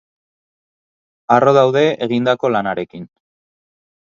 Harro daude egindkao lanarekin.